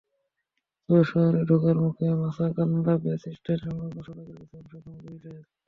তবে শহরে ঢোকার মুখে মাসকান্দা বাসস্ট্যান্ড-সংলগ্ন সড়কের কিছু অংশ এখনো দুই লেন।